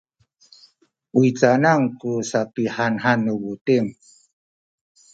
u canan ku sapihanhan nu buting?